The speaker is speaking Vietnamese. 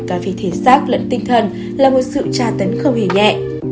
cả về thể xác lẫn tinh thần là một sự tra tấn không hề nhẹ